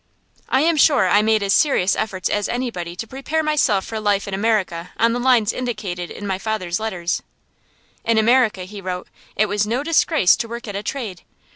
I am sure I made as serious efforts as anybody to prepare myself for life in America on the lines indicated in my father's letters. In America, he wrote, it was no disgrace to work at a trade.